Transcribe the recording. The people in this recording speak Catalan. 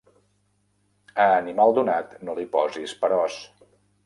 A animal donat no li posis peròs.